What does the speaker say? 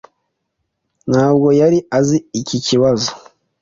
ntabwo yari azi ikibazo.